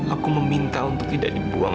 aku meminta untuk tidak dibuang